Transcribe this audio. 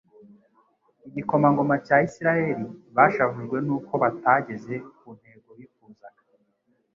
Igikomangoma cya Isiraeli. Bashavujwe nuko batageze ku ntego bifuzaga,